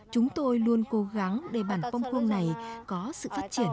chúng tôi luôn cố gắng để bản bong khuôn này có sự phát triển hơn nữa